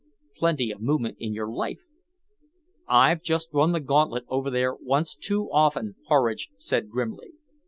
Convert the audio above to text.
"Plenty of movement in your life!" "I've run the gauntlet over there once too often," Horridge said grimly.